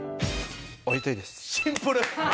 「会いたいです！」